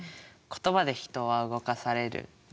言葉で人は動かされる。